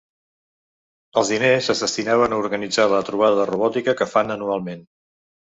Els diners es destinaven a organitzar la trobada de robòtica que fan anualment.